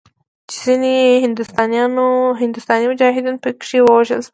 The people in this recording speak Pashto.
چې ځینې هندوستاني مجاهدین پکښې ووژل شول.